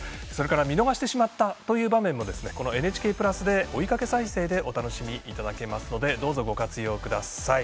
見逃してしまったという場面もこのＮＨＫプラスで追いかけ再生でお楽しみいただけますのでどうぞご活用ください。